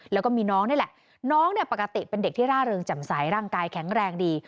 แล้วก็มีน้องนี่แหละน้องเนี่ยปกติเป็นเด็กที่ร่าเริงจำใสร่างกายแข็งแรงดี